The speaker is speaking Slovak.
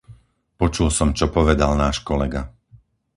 Počul som, čo povedal náš kolega.